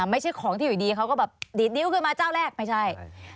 ไม่ใช่ของที่อยู่ดีเขาก็แบบดีดนิ้วขึ้นมาเจ้าแรกไม่ใช่